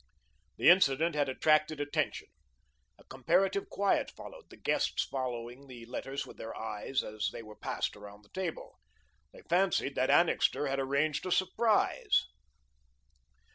The incident had attracted attention. A comparative quiet followed, the guests following the letters with their eyes as they were passed around the table. They fancied that Annixter had arranged a surprise.